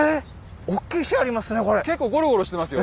⁉おっきい石ありますね